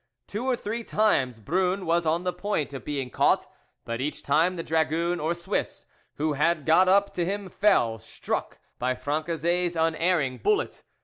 Two or three times Brun was on the point of being caught, but each time the dragoon or Swiss who had got up to him fell, struck by Francezet's unerring bullet.